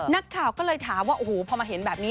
นักข่าวก็เลยถามว่าโอ้โหพอมาเห็นแบบนี้